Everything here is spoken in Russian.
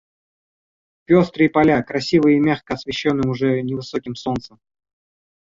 Пёстрые поля, красиво и мягко освещенные уже невысоким солнцем.